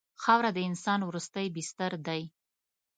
خاوره د انسان وروستی بستر دی.